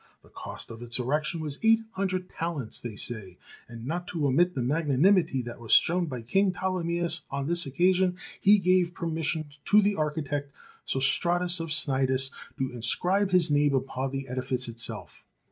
The cost of its erection was eight hundred talents, they say; and not to omit the magna 174 THE SE^EN WONDERS nimity that was shown by King Ptolemaeus on this occasion, he gave permission to the architect, Sostratus of Cnidus, to inscribe his name upon the edifice itself.